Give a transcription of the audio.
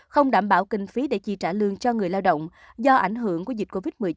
không đảm bảo kinh phí để chi trả lương cho người lao động do ảnh hưởng của dịch covid một mươi chín